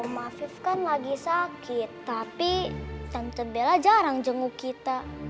om afif kan lagi sakit tapi tante bella jarang jenguk kita